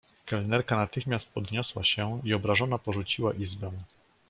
"Kelnerka natychmiast podniosła się i obrażona porzuciła izbę."